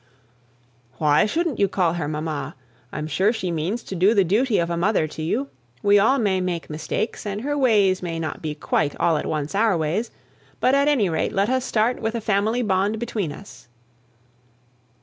"Why shouldn't you call her 'mamma?' I'm sure she means to do the duty of a mother to you. We all may make mistakes, and her ways may not be quite all at once our ways; but at any rate let us start with a family bond between us."